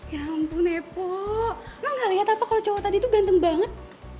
ya ampun epo lo gak liat apa kalo cowok tadi tuh ganteng banget